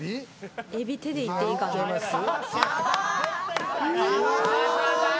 エビ、手でいっていいですか？